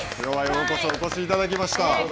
ようこそお越しいただきました。